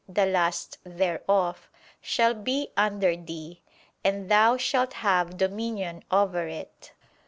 'The lust thereof'] shall be under thee, and thou shalt have dominion over it."